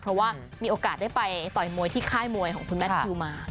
เพราะว่ามีโอกาสได้ไปต่อยมวยที่ค่ายมวยของคุณแมททิวมา